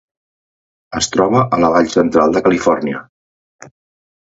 Es troba a la vall Central de Califòrnia.